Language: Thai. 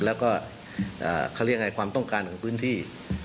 แล้วก็เขาเรียกอะไรความต้องการของพื้นที่